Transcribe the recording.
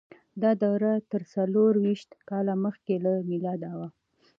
دا دوره تر څلور ویشت کاله مخکې له میلاده وه.